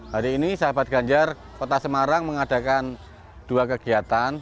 hari ini sahabat ganjar kota semarang mengadakan dua kegiatan